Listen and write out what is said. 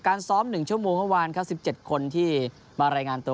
ซ้อม๑ชั่วโมงเมื่อวานครับ๑๗คนที่มารายงานตัว